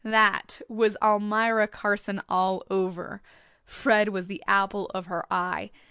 That was Almira Carson all over. Fred was the apple of her eye.